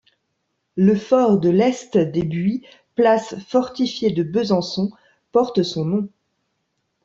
Le fort de l'est des Buis, place fortifiée de Besançon, porte son nom.